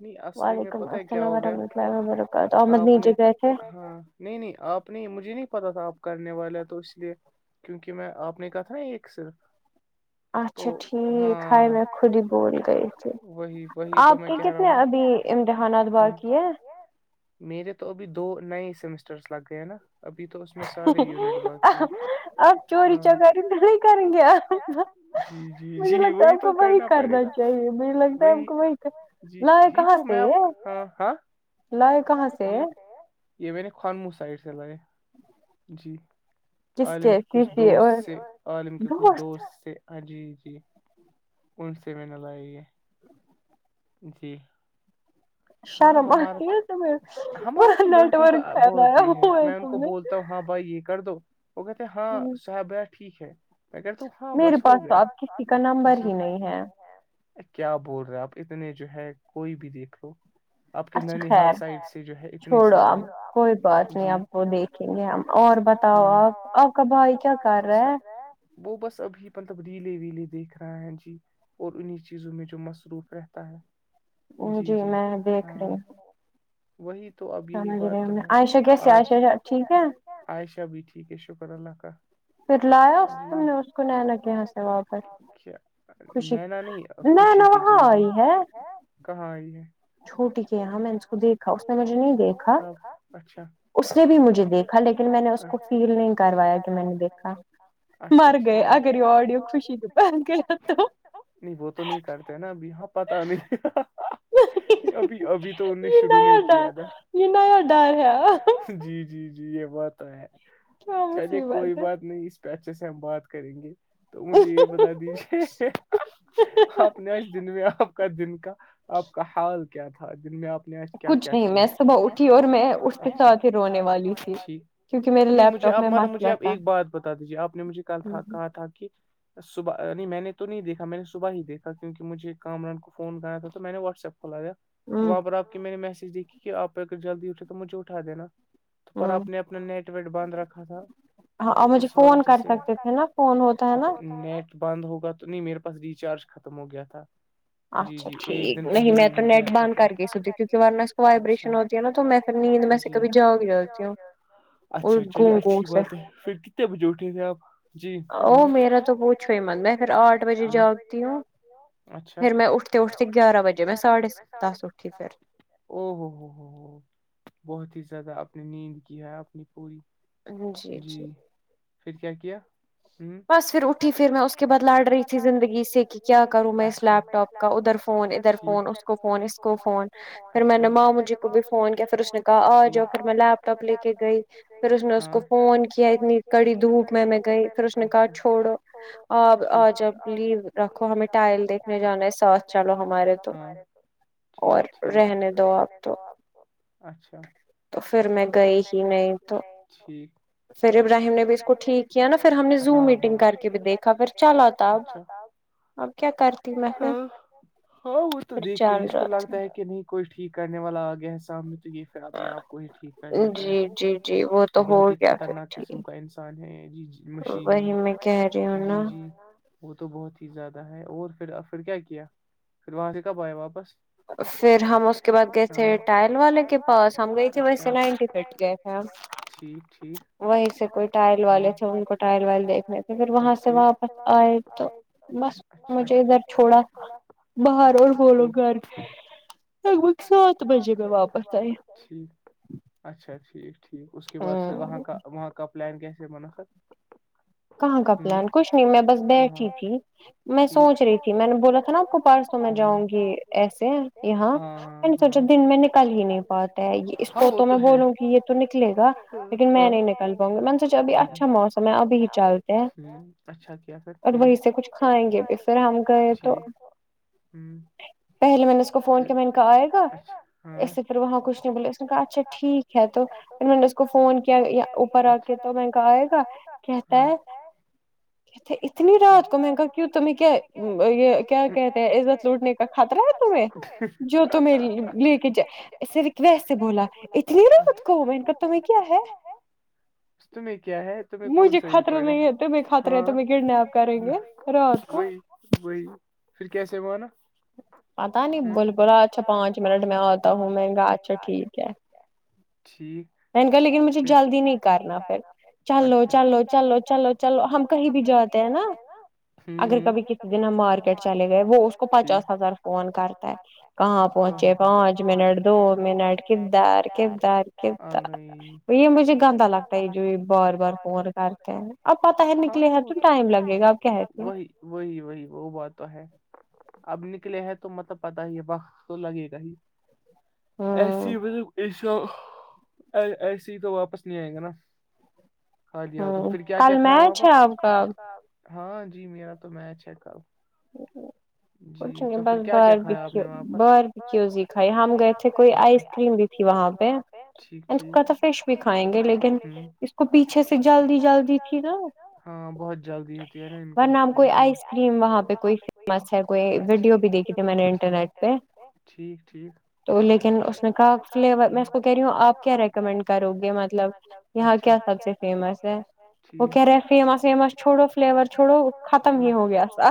نہیں اصلی میں پتا ہے کیا ہو گیا آپ نے ہاں نہیں نہیں آپ نہیں مجھے نہیں پتا تھا آپ کرنے والے تو اس لیے کیونکہ میں آپ نے کہا تھا نا ایک صرف اچھا ٹھیک ہائے میں خود ہی بول گئی تھی آپ کے کتنے ابھی امتحانات باقی ہے میرے تو بھی دو نئے سمسٹرس لگ گئے ہیں نا ابھی تو اس آپ چوری چا کریی تو نہیں کریں گے مجھے لگتا ہے آپ کو وہی کرنا چاہیے مجھے لگتا ہے ان کو وہی پے لاے کہاں سے یہ لائے کہاں سے یہ میں نے خانمو سائڈ سے لے جی عالم کے کچھ دوست سے عالم کے کچھ دوست سے ہاں جی جی ان سے میں نےلائے یہ [inaudible] جی ہاں ہمارا تو ہمارا تو لڑکوں کا بہت ہی ہے میں ان کو بولتا ہوں ہاں بھائی یہ کر دو وہ کہتے ہیں ہاں صاحب بھائیا ٹھیک ہے میں کہتا ہوں ہاں بس ہو گیا میرے پاس تو اپ کا نمبر ہی نہیں ہے کیا بول رہے آپ اتنے جو ہے کوئی بھی دیکھ لو اچھا خیر چھوڑا اب کوئی بات نہیں آپ وہ دیکھ رکھے گے ہم اور بتاؤ آپ آپ کا بھائی کیا کر رہا ہے وہ بس ابھی مطلب ریلے ویلے دیکھ رہا ہے جی اور انہیں چیزوں میں جو مصروف رہتا ہے جی جی ہاں وہی تو اب یہی بات تو ہے آج عائشہ بھی ٹھیک ہے شکر اللہ کا لا اچ نینا نہیں خوشی کی چیز ہی کہاں آئی ہے چھوٹی کے یہاں میں نے اس کو دیکھا اس نے مجھے نہیں دیکھا اس نے بھی مجھے دیکھا لیکن میں نے اس کو فیل نہیں کروایا کہ میں نے دیکھا اچھا ٹھیک مر گیے اگر یہ آڈیو کسی کے پاس گیا تو نہیں وہ تو نہیں کرتے نا ہاں پتا نہیں ابھی ابھی تو ان نے شروع نہیں کیا تھا مجھے بہت ڈر ہے جی جی جی یہ بات ہے چلیے کوئی بات نہیں اس اچھے سے ہم بات کریں گے تو مجھے یہ بتا دیجئے آپ نے اس دن میں آپ کا دن کا آپ کا حال کیا تھا دن میں آپ اس نے آج کیا کیا کیا کھچ نہیں میں صبح اٹھی میں اس کے ساتھ ہی رونے والی تھی نہیں مجھے آپ مارا مجھے آپ ایک بات بتا دیجیے آپ نے مجھے کل کہا تھا کہ صبح نہیں میں نے تو نہیں دیکھا میں نے صبح ہی دیکھا کیونکہ مجھے کامران کو فون کرا تھا تو میں نے واٹس اپ کھلایا تو وہاں پر آپ کے میں نے میسج دیکھی کہ آپ اگر جلدی اٹھے تو مجھے اٹھا دینا تو پر آپ نے اپنا نیٹ ویٹ بند رکھا تھا تو اس وقت جیسے فون کر سکتے تھے نا فون ہوتا ہے نا نیٹ بند ہوگا تو نہیں میرے پاس ریچارج ختم ہو گیا تھا جی جی ایک دن پہلے ہی ہو گیا تھا کر اچھا چلیے اچھی بات ہے پھر کتنے بجے اٹھے تھے آپ جی ہ تو پوچھو ہی ہے پھر آٹھ بجے جؤ پھر میں اٹھتے اٹھتے گیارہ بجے میں ساڑھے ساڑے س ساس او ہو ہو ہو ہو بہت ہی زیادہ اپپ نے نیند کی ہے اپنی پوری جی پھر کیا کیا بس پھر اٹھی پھر میں اس کے بعد لڑ رہی تھی زندگی سے کہ کیا کروں میں اس لیپ ٹاپ کا ادھر فون ادھر فون اس کو فون اس کو فون پھر میں نے مجھی کو بھی فون کیا پھر اس نے آ جاؤ پھر میں لپٹاپ لے کے گئی پھر اس نے اس کو فون کیا اتنی کڑی دھوپ میں میں گئی پھر اس نے کا چھوڑو آ جب لی رکھو ہمیں ٹائل دیکھنے جانا ہے ساتھ چلو ہمارے ہاں ٹھیک ٹھیک رہنے دو آپ اچھا تو پھر میں گئی ہی نہیں تو ٹھیک پھر ابراہیم نے بھی اس کو ٹھیک کیا ن میٹگ کر کے دیکھاھر چ آتاب ہاں ہاں وہ تو دیکھتے ہی اس کو لگتا ہے کہ نہیں کوئی ٹھیک کرنے والا آ گیا ہے سامنے تو یہ اپنے آپ کو ہی ٹھیک کر لیتا ہے بہت ہی خطرناک قسم کا انسان ہے جی مشین ہے جی جی وہ تو بہت ہی زیادہ ہے اور پھر پھر کیا کیا پھر وہاں سے کب آیا واپس پھر ہم اسٹائل والے کے پاس وئے ٹھیک ٹھیک وہیں سے کوئی ٹائل والے تھے ان کو ٹائل والائل دیکھنے تھے پھر وہاں سے واپس آئے تو بس مجھے ادھر چھوڑا باہر اور بولو گھر ٹھیک اچھا ٹھیک ٹھیک اس کے بعد پھر وہاں کا وہاں کا پلان کیسے منعخد کہاں کا پلان کچھ نہیں میں بس بیٹھی تھی میں سوچ رہی تھی میں نے بولا تھا نا آپ کو پارس تو میں جاؤں گی ایسے یہاں میں نے سوچا دن میں نکل ہی نہیں پاا یہ اس کو تو میں بولوں گی یہ تو نکلے گا لیکن میں نہیں نکل پاؤں گی م نے سوچ اب اچھا مسم ہے ابھی چلتے ہیں اور وہی سے کچھ کھائیں گے بھی پھر ہم گئے تو ہوں پہلے میں نے اس کو فون کیا میں نے کہا آئے گا اس سے پھر وہاں کچھ نہیں بولے اس نے کہا اچھا ٹھیک ہے تو پھر میں نے اس کو فون کیا اوپر آ کے تو میں کہ آئے گا ا اتنی رات کو مہنگا کیوں تمہیں کیا یہ کیا کہتے ہیں عزت لٹنے کا خطرہ ہے تمہیں جو تمہیں لے کے صرف ویسے بولا میرا خود کو مینک ت میںہیں کیا ہے تمہیں کیا ہے تمہیں کون صحیح پڑھے ہاں وہی وہی پھر کیس وہانا پتا نہیں بول بلا اچھا پانچ منٹ میں آتا ہوں مگا اچھا ٹھیک ہے ٹھیک میں نے کہ لیکن مجھے جلدی نہیں کرنا پھر چلو چلو چلو چلو چلو ہم کہیں بھی جاتے ہیں نا اگر کبھی کسی دن ہم مارکیٹ چلے گئے وہ اس کو پچاس ہزار فون کرتا ہے کہاں پہنچے پانچ منٹ دو منٹ کدار کدار ک ہ نہیں مجھے گند لگتا ہے جو بار بار ب ٹائم لگے گا وہی وہی وہی وہ ب تو ہے اب نکلے ہیں تو مطلب پتا ہی ہے بقت تو لگے گا ہی ایسیے ہی ایسا ایسے ہی تو واپس نہیں آئے گا نا ک لیا ہو تو پھر کیا کیا کھایا وہاں پر ہاں جی میرا تو میچ ہے کل کچھ بس بار بھی بار بھی کیو سکھائی ہم گئے تھے کوئی آئس کریم بھی ت وہاں پہ اینڈ اس کا تو فریش بھی کھائیں گے لیکن اس کو پیچھے سے جلدی جلدی تھی نا نام کوئی آئس کریم وہاں پہ کوئی مس ویڈیو بھی دیکھی ت میں نے انٹرنیٹ پہ ٹیک ٹھیک تو لیکن اس نے کہا فلیور میں اس کو کہہ رہی ہوں آپ کیا ریکمینڈ کرو گے مطلب یہاں کیا سب سے فیمس ہے وہ کہہ رہے فیمس ومس چھوڑو فلیور چھوڑو ختم ہی ہو گیا سا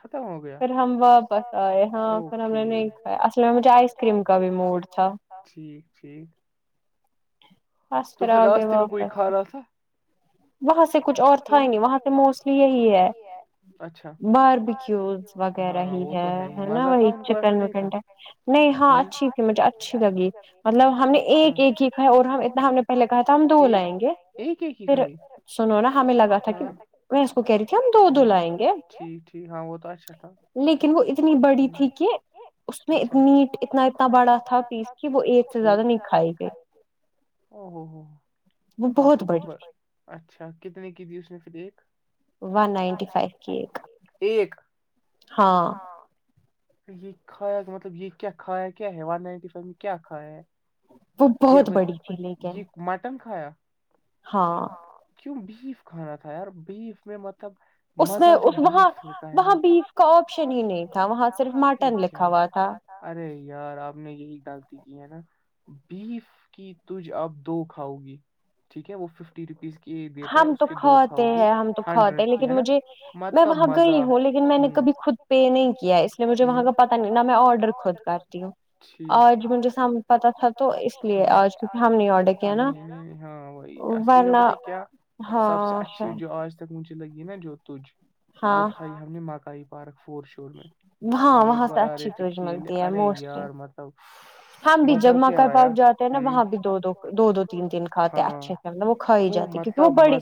ختم ہو گیا پھر ہم و بس نے اصل میں مجھے آئس کریم کا بھی موڈ ٹھیک ٹھیک بس کر آ گئے واپس وہاں سے کچھ اور تھا ہی نہیں وہاں سے موسٹلی یہی ہے باربیکیوز وغیرہ ہی ہے نا وہین نہیں ہاں اچھی تھی مجھے اچھی لگی مطلب ہم نے ایک ایک ہی کہا ہے اور ہم اتنا ہم نے پہلے کہا تھا ہم دو لائیں گے پھر سنو نا ہمیں لگا تھا کہ میں اس کو کہہ رہی تھی ہم دو دو لائیں گے لیکن وہ اتنی بڑی تھی کہ اس میں ا میٹ اتنا اتنا بڑا تھا پیس کہ وہ ایک سے زیادہ نہیں کھائی گئی او ہوو ہو آپ کو تو اچھا کتنے کی دی اس نے پھر ایک ون نائنٹی فائیو کیک ایک ہاں یہ کھایا مطلب یہ کیا کھایا کیا ہے ون نائنٹی فائیو میں کیا کھایا ہے یہ یہ مٹن کھایا ہاں کیوں بیف کھانا تھا یار بیف میں مطلب اس میں وہاں وہاں بیف کا آپشن ہی نہیں تھا وہاں صرف مٹن لکھا ہوا تھا ارے یار آپ نے یہی غلطی کی ہے نا بیف کی تج آپ دو کھاؤ گی ٹھیک ہے وہ فف روپیز کی دیتا ہے اس کی دوکا ہوگی ہنڈریڈ کی ہے نا مطلب مزہ لیکن میں نے کبھی خود خود پے نہیں کیا مجھے وہاں کا پت نہیں نہ میں آڈر کودتا اور پ تھا تو ہاں وہ اصلی میںت کیا سب سے اچھی جو آج تک مجچے لگی نا جو تج وہ کھائی ہم نے مکائی پارک فور شور میں ہم ایک بار آ رہے تھے کھیل ارے یار مطلب ہماں بھی جب مکر پاک جاتے ہیں نا وہاں بھی دو دو دو دو تین تن کاتے ہیں اچھے وہ کھائی جاتی کیونکہ وہ بڑی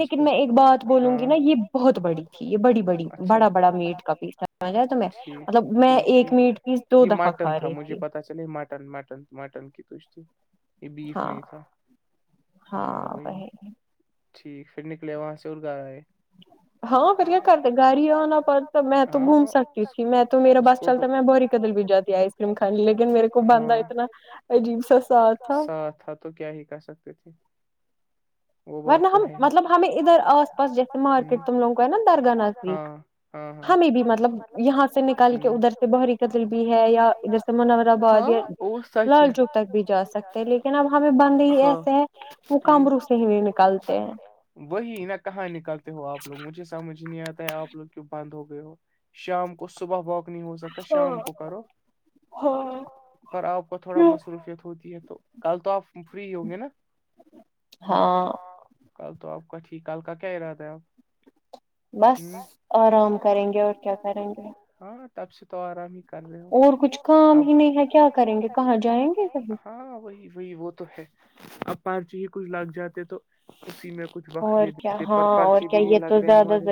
لیکن میں ایک بات بولوں گی نا یہ بہت بڑی ٹھیک ہے بڑی بڑ بڑا بڑی بڑا میٹ کا پیسائے تو میں مطلب میں ایک میٹ پیس دو دفعہ کھا رہی تھی مٹن مٹن مٹن کی تھ تھی یہ بیف نہیں تھا ہاں وہی ٹھیک پھر نکلے وہاں سے اور گا ہے ہاں بڑیا کرھر د گا رہ ہی آ پ میں تو گھوم سکتی تھی میں تو میرا بس چلتا ہے میں بری قدل بھی جاتی آئی فلم کھا لی لیکن میرے کو بھا اتنا عجیب سا سااتھ تھا تو کیا ہی کہہ سکتے تھے ور نا ہم مطلب ہمیں ادھر آس پاس جیسے مارکیٹ تم لوگ کو نا درگاہ نزدیک ہمیں بھی مطلب یہاں سے نکل کے ادھر سے بحری قتل بھی ہے یا ادھر سے منر آباد یا لال چوک تک بھی جا سکتے ہیں لیکن اب ہمیں بند ہی ایسے ہیں وہ کمرو سے ہی نہیں م وہی نہا کہاں نکلتے ہو آپ لوگ مجھے سمجھ نہیں آتا ہے آپ لوگ بند ہو گئے ہو شام کو صبح واک نہیں ہو سکتا شام کو کرو پر آپ کو تھوڑا مصروفیت ہوتی ہے تو کل تو آپ فری ہوں گے نا ہ کل تو آپ کا ٹھیک کل کا کیا ارادہ ہے آپ بس آرام کریں گے اور کیا کریں گے ہاں ت پ سے تو آرام ہی اور کچھ کام ہی نہیں ہے کیا کریں گے کہاں جائیں گے کہیں وہی وہ تو ہے اب پارچ ہی کچھ لگ جاتے تو اسی میں کچھ وقت دے دیتے پر پرچے بھی نہیں لگ رہے ہمارے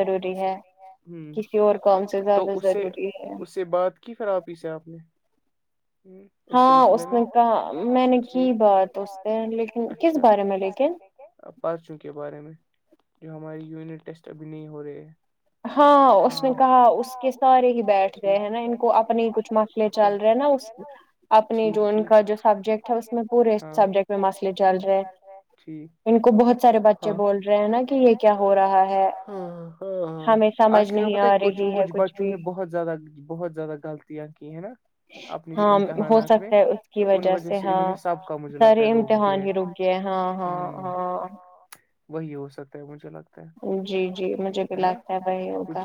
تو اس سے اس سے بات کی فر آابی سے آپ نے ہاں اس نے کہا میں نے کی بات اس سے لیکن کس بارے میں لیکن پڑ چونک بارے میں جو ہمارے یونٹ ٹیسٹ ابھی نہیں ہو رہے ہے ہاں اس نے کہا اس کے سارے ہی بیٹھ رہے ہیں نا ان کو اپنی کچھ مسئلے چل رہے ہیں نا ٹیک ان کا جو سبجیکٹ پورے سبٹ مسلے چل رہےٹیک ان کو بہت س بچچے بول رہے ہیں نا کہ یہ کیا ہو رہا ہے ہمیشہ اص میں پتچھ کچھ بچوں بہت زیادہ بہت زیادہ غلطیاں ک نا ہاں ہو سکتا ہے اس کی وجہ سے ہاں سارے امتحان ہی رک ہاں ہاں ہاں وہی ہو سکتا ہے مجھے لگتا ہے جی جی مجھے بھی لگتا ہے وہی ہوگا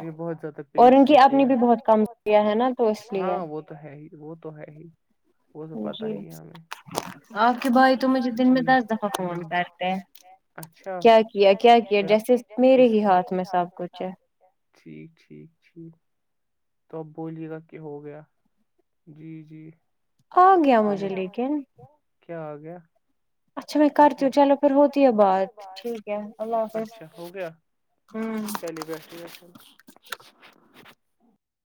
اور ان کی آپ نے بھی بہت کم کیا ہے نا تو اس لیے تو ہے ہی وہ تو ہے ہی وہ تو پتا ہی ہمیں اچھا کیا کیا مے ہی ہاتھ میں سب ٹھیک ٹھیک ٹھیک تو اب بولیے گا کہ ہو گیا جی جی گیا مجھے لے کے کیا آ گیا کرھر تو چلو پھر ہوتی ہے باز اچھا ہو گیا چلیے بیسٹھ